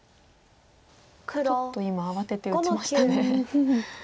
ちょっと今慌てて打ちましたね。